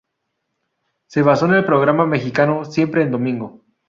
Se basó en el programa mexicano "Siempre en domingo".